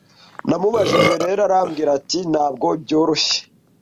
Namubajije rero arambwira ati Ntabwo byoroshye